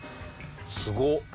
すごっ。